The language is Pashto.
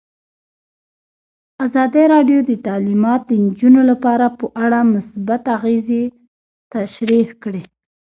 ازادي راډیو د تعلیمات د نجونو لپاره په اړه مثبت اغېزې تشریح کړي.